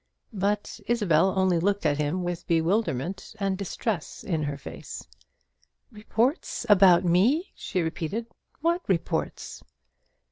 But Isabel only looked at him with bewilderment and distress in her face. "Reports about me!" she repeated. "What reports?"